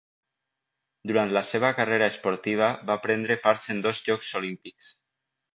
Durant la seva carrera esportiva va prendre part en dos Jocs Olímpics.